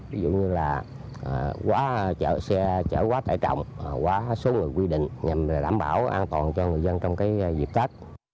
ví dụ như là quá chở xe chở quá tải trọng quá số người quy định nhằm đảm bảo an toàn cho người dân trong dịp tết